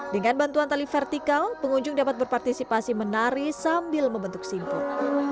dengan bantuan tali vertikal pengunjung dapat berpartisipasi menari sambil membentuk simpul